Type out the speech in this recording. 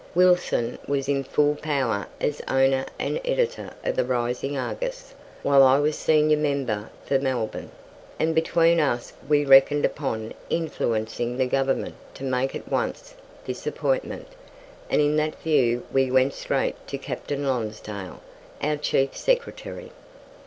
Wilson was in full power as owner and editor of the rising "Argus", while I was senior member for Melbourne; and between us we reckoned upon influencing the Government to make at once this appointment, and in that view we went straight to Captain Lonsdale, our Chief Secretary.